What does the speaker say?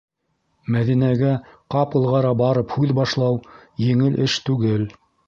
Мәҙинәгә ҡапылғара барып һүҙ башлау - еңел эш түгел.